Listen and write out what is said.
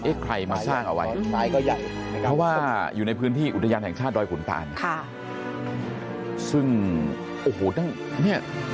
ใครมาสร้างเอาไว้เพราะว่าอยู่ในพื้นที่อุทยานแห่งชาติดอยขุนตานค่ะซึ่งโอ้โหตั้งเนี่ย